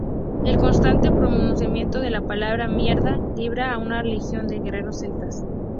El constante pronunciamiento de la palabra "mierda" libra a una legión de guerreros celtas.